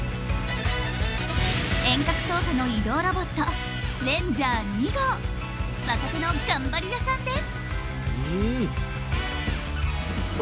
遠隔操作の移動ロボット若手の頑張り屋さんです。